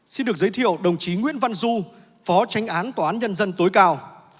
xin được giới thiệu đồng chí nguyễn văn du phó tránh án tòa án nhân dân tối cao